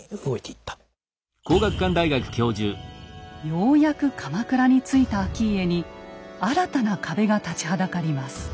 ようやく鎌倉に着いた顕家に新たな壁が立ちはだかります。